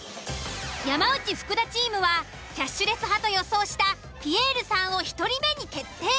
山内・福田チームはキャッシュレス派と予想したピエールさんを１人目に決定。